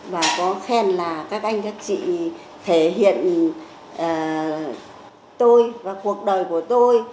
và có khen là các anh các chị thể hiện tôi và cuộc đời của tôi